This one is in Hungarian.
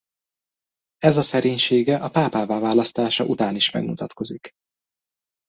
Ez a szerénysége a pápává választása után is megmutatkozik.